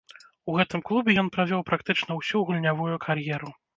У гэтым клубе ён правёў практычна ўсю гульнявую кар'еру.